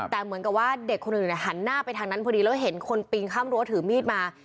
แต่เหมือนกับว่าเด็กคนอื่นหันหน้าไปทางนั้นพอดีแล้วเห็นคนปีนข้ามรั้วถือมีดมา